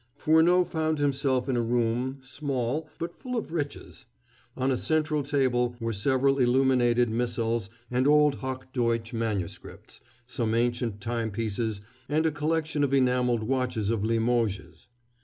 Furneaux found himself in a room, small, but full of riches. On a central table were several illuminated missals and old Hoch Deutsch MSS., some ancient timepieces, and a collection of enameled watches of Limoges.